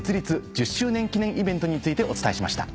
１０周年記念イベントについてお伝えしました。